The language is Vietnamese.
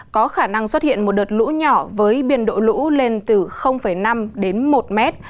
có khả năng xuất hiện một đợt lũ nhỏ với biên độ lũ lên từ năm một m